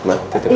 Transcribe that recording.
mbak titipin aja